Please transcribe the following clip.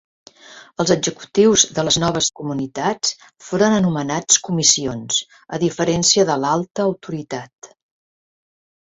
Els executius de les noves comunitats foren anomenats comissions, a diferència de l'Alta autoritat.